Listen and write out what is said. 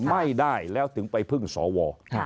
ไม่ได้แล้วถึงไปพึ่งสว